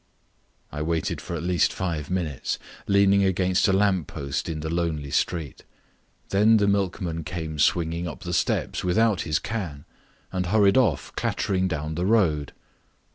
I waited for at least five minutes, leaning against a lamp post in the lonely street. Then the milkman came swinging up the steps without his can and hurried off clattering down the road.